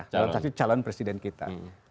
dalam tafsir calon presiden kita